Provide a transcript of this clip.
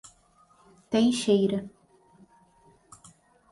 Teixeira